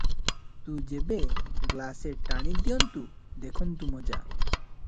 ତୁ ଯେବେ ଗ୍ଲାସେ ଟାଣି ଦିଅନ୍ତୁ, ଦେଖନ୍ତୁ ମଜା!